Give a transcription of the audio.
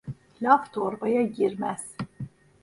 Laf torbaya girmez.